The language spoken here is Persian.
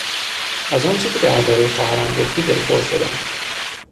از آنچه که دربارهی خواهرم گفتی دلخور شدم.